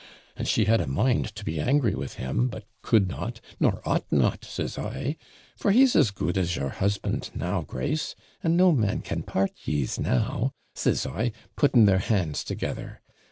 And she had a mind to be angry with him, but could not, nor ought not, says I; "for he's as good as your husband now, Grace; and no man can part yees now," says I, putting their hands together.